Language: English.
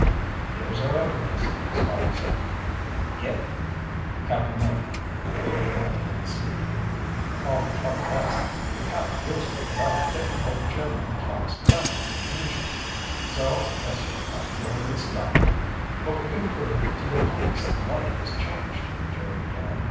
"There's our evidence," Scotty said. "Yep." Cap'n Mike leaned back in the seat. "Only trouble is, we can't use it without getting both Jim and Tom's family in danger. So I guess we're back where we started." "But we can prove to the police the light was changed," Jerry began.